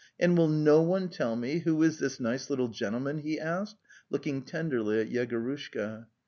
And will no one tell me who is this nice little gentle man?" he asked, looking tenderly at Yegorushka.